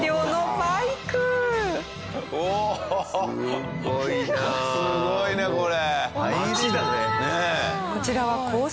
すごい！おおすごいねこれ！